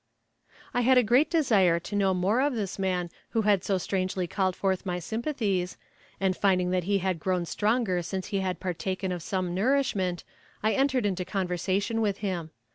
I had a great desire to know more of this man who had so strangely called forth my sympathies, and finding that he had grown stronger since he had partaken of some nourishment, I entered into conversation with him.